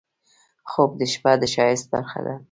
خوب د شپه د ښایست برخه ده